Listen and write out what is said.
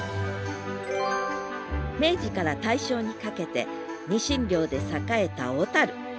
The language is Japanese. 明治から大正にかけてニシン漁で栄えた小。